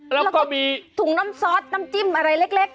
แล้วก็มีถุงน้ำซอสน้ำจิ้มอะไรเล็ก